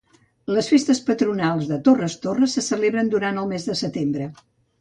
Les festes patronals de Torres Torres se celebren durant el mes de setembre.